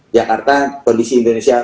jakarta kondisi indonesia